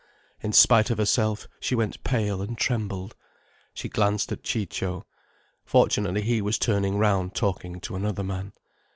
In spite of herself, she went pale and trembled. She glanced at Ciccio. Fortunately he was turning round talking to another man.